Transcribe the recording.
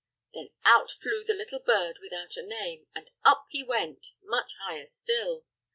Then out flew the little bird without a name, and up he went, much higher still.